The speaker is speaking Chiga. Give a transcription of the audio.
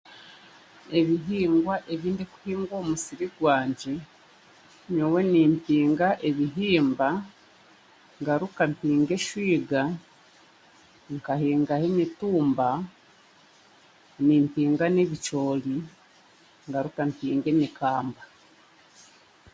Ebihingwa ebindikuhinga omu musiri gwangye nyowe nimpinga ebihimba ngaruka mpinga eshwiga nkahingaho emitumba mimpinga n'ebicoori ngaruka mpinga n'emikamba